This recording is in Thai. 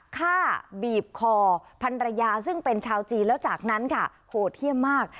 ฆ่าบีบคอพันรยาซึ่งเป็นชาวจีนแล้วจากนั้นค่ะโหดเยี่ยมมาก